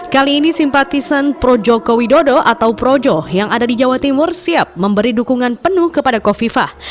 kali ini simpatisan projoko widodo atau projo yang ada di jawa timur siap memberi dukungan penuh kepada kofifah